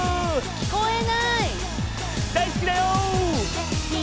聞こえない。